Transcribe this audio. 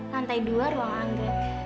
lantai dua ruang anggrek